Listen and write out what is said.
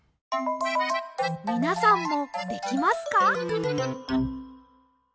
みなさんもできますか？